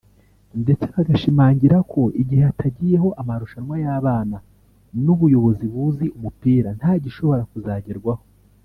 ndetse bagashimangira ko igihe hatagiyeho amarushanwa y’abana n’ubuyobozi buzi umupira nta gishobora kuzagerwaho